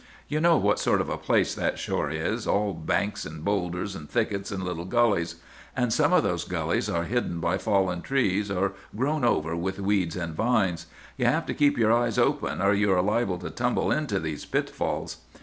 "'You know what sort of a place that shore is,—all banks and bowlders, and thickets and little gullies; and some of those gullies are hidden by fallen trees, or grown over with weeds and vines. You have to keep your eyes open, or you are liable to tumble into these pitfalls.